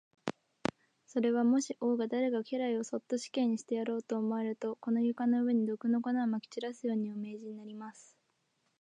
それは、もし王が誰か家来をそっと死刑にしてやろうと思われると、この床の上に、毒の粉をまき散らすように、お命じになります。